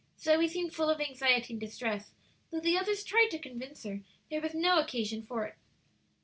Zoe seemed full of anxiety and distress, though the others tried to convince her there was no occasion for it.